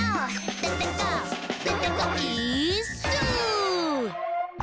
「デテコデテコイーッス」